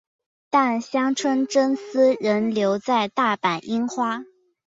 但香川真司仍留在大阪樱花。